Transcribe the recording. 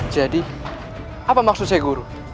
jadi apa maksud syekh guru